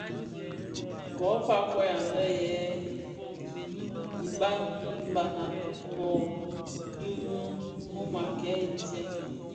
Ko fa fœug anè yè ibabana ki kōkōg a dhimum a kè nsèň.